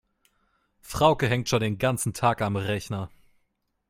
Frauke hängt schon den ganzen Tag am Rechner.